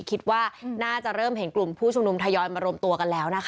คิดว่าน่าจะเริ่มเห็นกลุ่มผู้ชุมนุมทยอยมารวมตัวกันแล้วนะคะ